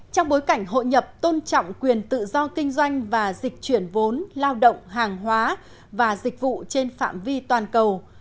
trong bối cảnh hội nhập tôn trọng quyền tự do kinh doanh và dịch chuyển vốn lao động hàng hóa và dịch vụ trên phạm vi toàn cầu